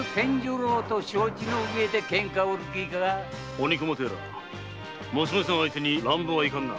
鬼熊とやら娘さんを相手に乱暴はいかんな。